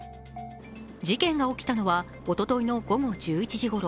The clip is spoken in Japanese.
事件が起きたのはおとといの午後１１時ごろ。